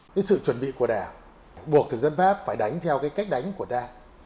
cái sự chuẩn bị của đà buộc thực dân pháp phải đánh theo cái cách đánh của đà